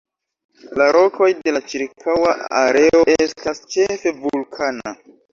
La rokoj de la ĉirkaŭa areo estas ĉefe vulkana.